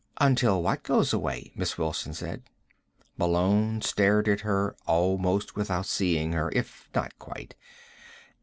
"Until what goes away?" Miss Wilson said. Malone stared at her almost without seeing her, if not quite.